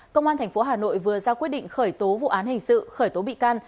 công an tp hà nội vừa ra quyết định khởi tố vụ án hình sự khởi tố bị can